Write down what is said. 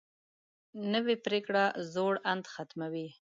نوې پریکړه زوړ اند ختموي